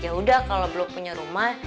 yaudah kalau belum punya rumah